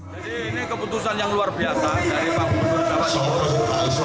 jadi ini keputusan yang luar biasa dari pak gubernur taman gubernur